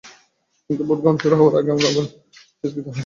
কিন্তু ভোট গ্রহণ শুরু হওয়ার আগেই আবারও ভোট স্থগিত ঘোষণা করা হয়।